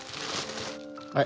はい。